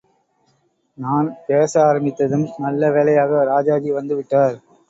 நான் பேச ஆரம்பித்ததும் நல்ல வேளையாக ராஜாஜி வந்துவிட்டார்.